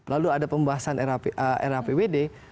lalu ada pembahasan rapwd